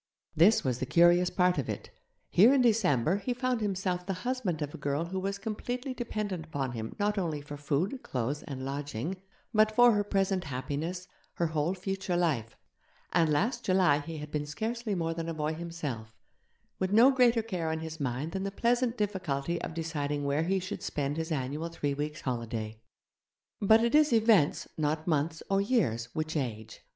This was the curious part of it here in December he found himself the husband of a girl who was completely dependent upon him not only for food, clothes, and lodging, but for her present happiness, her whole future life; and last July he had been scarcely more than a boy himself, with no greater care on his mind than the pleasant difficulty of deciding where he should spend his annual three weeks' holiday. But it is events, not months or years, which age.